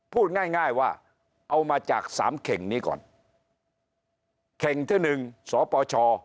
พูดง่ายง่ายว่าเอามาจากสามเข่งนี้ก่อนเข่งที่หนึ่งสปช